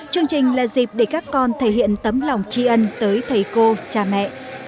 chương trình là dịp để các con thể hiện tấm lòng tri ân tới thầy cô cha mẹ